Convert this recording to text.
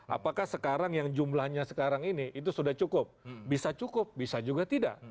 apakah sekarang yang jumlahnya sekarang ini itu sudah cukup bisa cukup bisa juga tidak